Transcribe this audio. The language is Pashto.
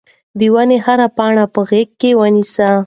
د ونې هره پاڼه په غېږ کې ونیسئ.